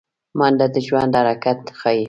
منډه د ژوند حرکت ښيي